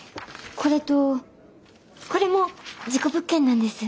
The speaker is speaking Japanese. これとこれも事故物件なんです。